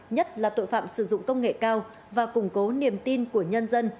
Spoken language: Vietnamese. nhất là tội phạm sử dụng công nghệ cao và củng cố niềm tin của nhân dân